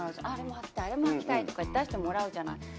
あれも履きたいあれも履きたいとか出してもらうじゃない。